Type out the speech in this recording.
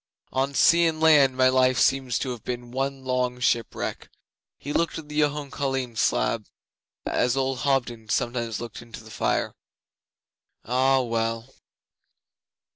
On sea and land my life seems to have been one long shipwreck.' He looked at the Jhone Coline slab as old Hobden sometimes looks into the fire. 'Ah, well!